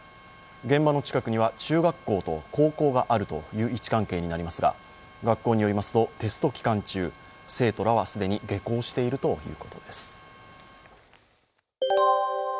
現場の近くには中学校と高校があるという位置関係にありますが学校によりますと、テスト期間中、生徒らは既に下校しているということです。